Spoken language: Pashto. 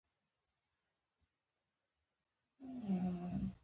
په اخره کې مس ګېج را دننه شوه.